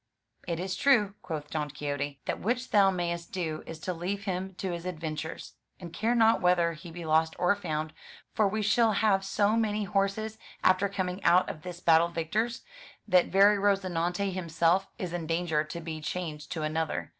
"It is true," quoth Don Quixote; "that which thou mayest do is to leave him to his adventures, and care not whether he be lost or found; for we shall have so many horses, after coming out of this battle victors, that very Rozinante himself is in danger to be changed to another.